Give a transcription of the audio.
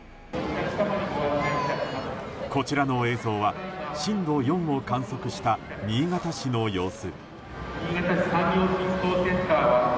こちらの映像は震度４を観測した新潟市の様子。